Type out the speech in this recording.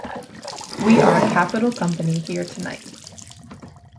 We are capital company here tonight.